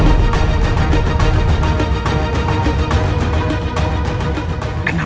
kenapa aku tidak bisa mengeluarkan suara